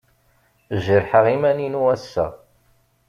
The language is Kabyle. Jerḥeɣ iman-inu ass-a.